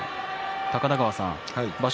高田川さん、場所